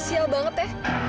sial banget ya